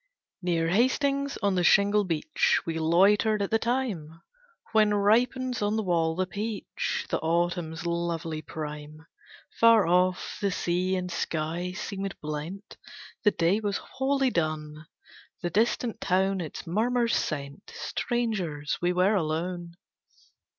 Near Hastings, on the shingle beach, We loitered at the time When ripens on the wall the peach, The autumn's lovely prime. Far off, the sea and sky seemed blent, The day was wholly done, The distant town its murmurs sent, Strangers, we were alone.